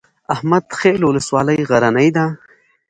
احمد خیل ولسوالۍ غرنۍ ده؟